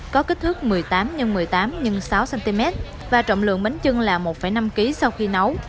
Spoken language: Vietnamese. có kích thước một mươi tám x một mươi tám x sáu cm và trọng lượng bánh trưng là một năm kg sau khi nấu